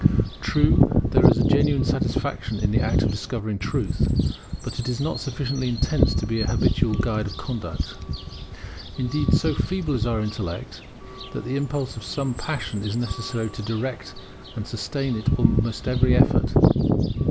True there is a genuine satisfaction in the act of discovering truth; but it is not sufficiently intense to be an habitual guide of conduct. Indeed, so feeble is our intellect, that the impulse of some passion is necessary to direct and sustain it in almost every effort.